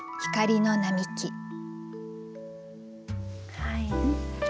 はい。